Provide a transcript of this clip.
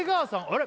あれ？